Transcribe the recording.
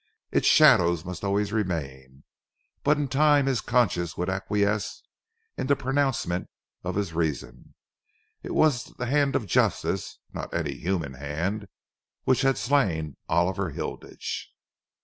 Its shadow must always remain, but in time his conscience would acquiesce in the pronouncement of his reason. It was the hand of justice, not any human hand, which had slain Oliver Hilditch.